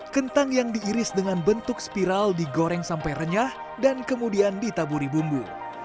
kentang yang diiris dengan bentuk spiral digoreng sampai renyah dan kemudian ditaburi bumbu